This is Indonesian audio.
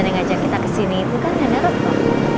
dan yang ngajak kita ke sini itu kan nenek retno